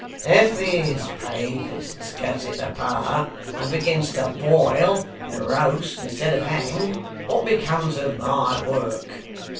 'If these Papists gets into power, and begins to boil and roast instead of hang, what becomes of my work!